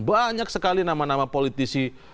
banyak sekali nama nama politisi